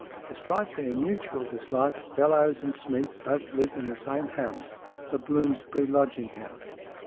Despite their mutual dislike, Bellowes and Smeath both lived in the same house the Bloomsbury lodging house.